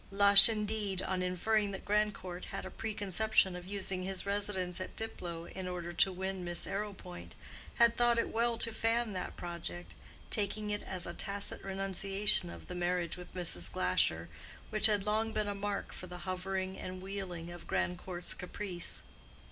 Lush, indeed, on inferring that Grandcourt had a preconception of using his residence at Diplow in order to win Miss Arrowpoint, had thought it well to fan that project, taking it as a tacit renunciation of the marriage with Mrs. Glasher, which had long been a mark for the hovering and wheeling of Grandcourt's caprice.